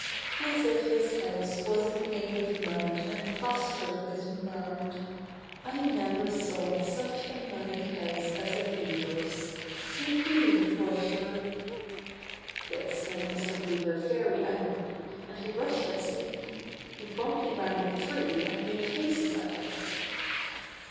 "As if his house wasn't made of mud, and plas tered with mud ! I never saw such a muddy house as a beaver's. Did you. Washer?" This made Mr. Beaver very angry, and he rushed at Sleepy, who promptly ran up a tree and made faces at him.